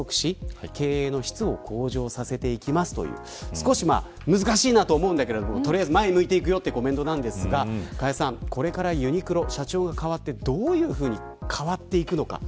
少し難しいと思うんだけれど取りあえず前を向いていくよということだと思うんですがこれからユニクロ社長が代わってどういうふうに変わっていくのか。